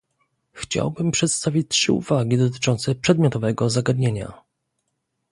Chciałbym przedstawić trzy uwagi dotyczące przedmiotowego zagadnienia